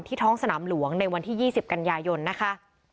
ท้องสนามหลวงในวันที่๒๐กันยายนนะคะ